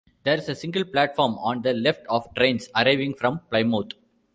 There is a single platform, on the left of trains arriving from Plymouth.